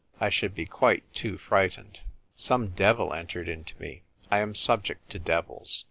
I should be quite too frightened." Some devil entered into me. I am subject to devils.